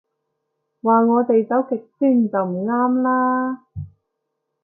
話我哋走極端就唔啱啦